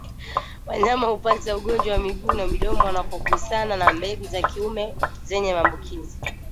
Wanyama hupata ugonjwa wa miguu na midomo wanapogusana na mbegu za kiume zenye maambukizi